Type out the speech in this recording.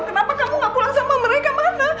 kenapa kamu gak pulang sama mereka mana